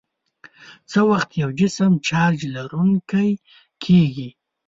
څه وخت یو جسم چارج لرونکی کیږي؟